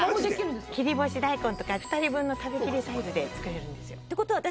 切り干し大根とか２人分の食べきりサイズで作れるんですよ。